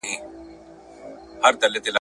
لمره هغه ابلیس چي تا به په ښکرونو کي وړي ..